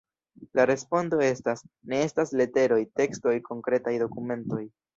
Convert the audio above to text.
La respondo estas: ne estas leteroj, tekstoj, konkretaj dokumentoj.